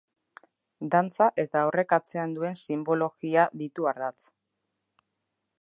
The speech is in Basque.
Dantza eta horrek atzean duen sinbologia ditu ardatz.